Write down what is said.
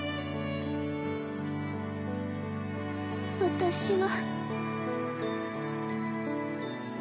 私は。